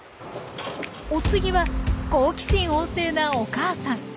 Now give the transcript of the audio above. お次は好奇心旺盛なお母さん。